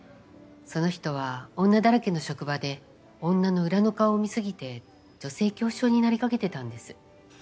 その人は女だらけの職場で女の裏の顔を見過ぎて女性恐怖症になりかけてたんです。